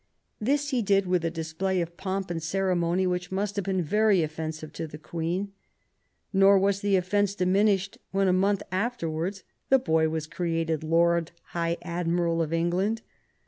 This he did with a display of pomp and ceremony which must have been very offensive to the Queen ; nor was the offence dim inished when, a month afterwards, the boy was created Lord High Admiral of England.